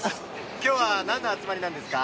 今日は何の集まりなんですか？